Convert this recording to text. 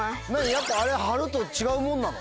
やっぱあれ張ると違うもんなの？